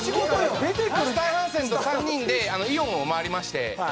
スタン・ハンセンと３人でイオンを回りまして。